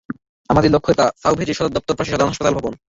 আমাদের লক্ষ্য এটা, সাওভ্যাজের সদর দপ্তর, পাশেই সাধারণ হাসপাতাল ভবন।